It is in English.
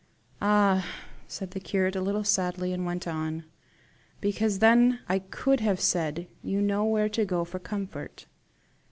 "Ah!" said the curate a little sadly, and went on. "Because then I could have said, you know where to go for comfort.